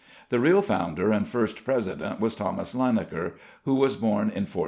The real founder and first president was =Thomas Linacre=, who was born in 1460.